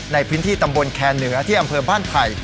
ในพื้นที่ตำบลแคร์เหนือที่อำเภอบ้านไผ่